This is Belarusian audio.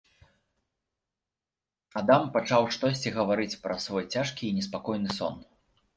Адам пачаў штосьці гаварыць праз свой цяжкі і неспакойны сон.